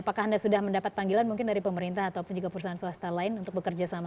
apakah anda sudah mendapat panggilan mungkin dari pemerintah ataupun juga perusahaan swasta lain untuk bekerja sama